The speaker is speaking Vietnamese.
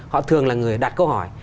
họ thường là người đặt câu hỏi